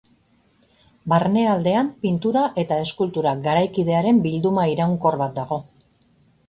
Barnealdean pintura eta eskultura garaikidearen bilduma iraunkor bat dago.